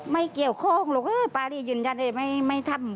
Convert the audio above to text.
ไม่เกี่ยวโพงลูกพารียืนยันไม่ทำ